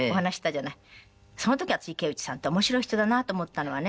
その時私池内さんって面白い人だなと思ったのはね。